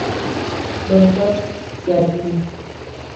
Lor dhod garino.